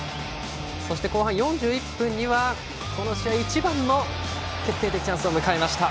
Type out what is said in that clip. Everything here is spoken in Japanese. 後半４１分には、この試合一番の決定的チャンスを迎えました。